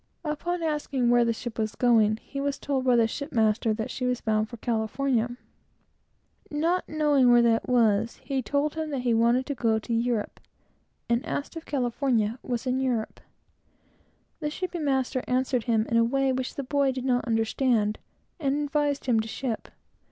Upon asking where the ship was going, he was told by the shipping master that she was bound to California. Not knowing where that was, he told him that he wanted to go to Europe, and asked if California was in Europe. The shipping master answered him in a way which the boy did not understand, and advised him to ship.